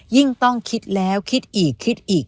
ยิ่งต้องคิดแล้วคิดอีกคิดอีก